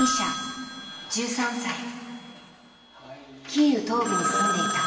キーウ東部に住んでいた。